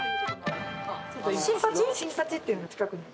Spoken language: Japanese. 新八っていうのが近くに。